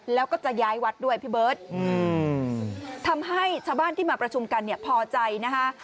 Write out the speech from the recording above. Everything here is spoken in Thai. แล้วก็จะย้ายวัดด้วยพี่เบิร์ตทำให้ชาวบ้านที่มาประชุมกันเนี่ยพอใจนะคะ